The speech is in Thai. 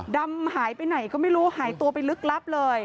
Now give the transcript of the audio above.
ดำหายไปไหนก็ไม่รู้หายตัวไปลึกลับเลย